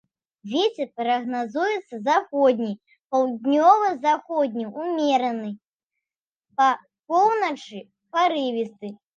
Вецер прагназуецца заходні, паўднёва-заходні ўмераны, па поўначы парывісты.